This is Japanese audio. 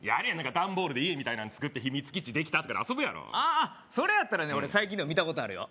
ダンボールで家みたいなんつくって秘密基地できたとかって遊ぶやろそれやったらね俺最近でも見たことあるよ